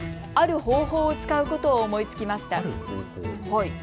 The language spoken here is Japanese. ある方法を使うことを思いつきました。